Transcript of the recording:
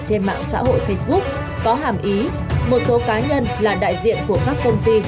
trên mạng xã hội facebook có hàm ý một số cá nhân là đại diện của các công ty